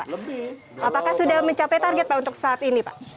apakah sudah mencapai target pak untuk saat ini pak